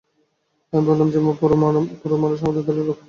আমি বললুম, ও যে পুরুষমানুষ, আমাদেরই দলের লোক।